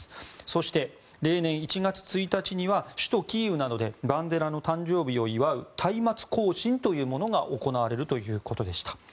そして、例年１月１日には首都キーウなどでバンデラの誕生日などを祝うたいまつ行進というものが行われるということでした。